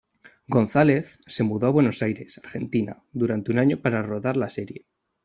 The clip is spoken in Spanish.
González se mudó a Buenos Aires, Argentina durante un año para rodar la serie.